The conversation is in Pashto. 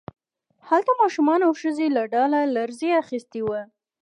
هلته ماشومان او ښځې له ډاره لړزې اخیستي وو